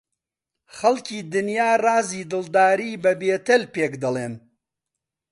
خەڵکی دنیا ڕازی دڵداری بە بێتەل پێک دەڵێن